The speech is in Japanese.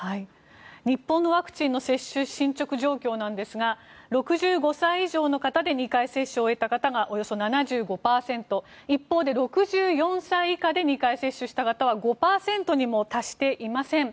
日本のワクチンの接種進ちょく状況なんですが６５歳以上の方で２回接種を終えた人がおよそ７５％一方で６４歳以下で２回接種した方は５％にも達していません。